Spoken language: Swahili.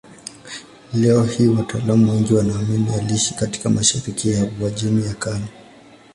Leo hii wataalamu wengi wanaamini aliishi katika mashariki ya Uajemi ya Kale.